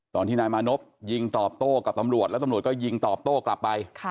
ตอนที่นายมานพยิงตอบโต้กับตำรวจแล้วตำรวจก็ยิงตอบโต้กลับไป